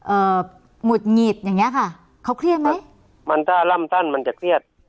หงุดหงิดอย่างเงี้ยค่ะเขาเครียดไหมมันถ้าร่ำสั้นมันจะเครียด